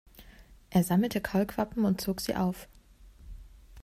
Er sammelte Kaulquappen und zog sie auf.